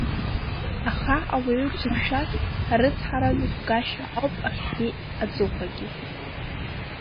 Аха, ауаҩы дзықәшәаз арыцҳара аныҟәгашьа ауп ахгьы-аҵыхәагьы.